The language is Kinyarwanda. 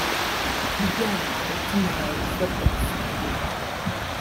Kuryama ukimara gufata ifunguro